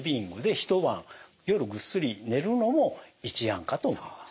一晩夜ぐっすり寝るのも一案かと思います。